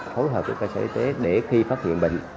phối hợp với cơ sở y tế để khi phát hiện bệnh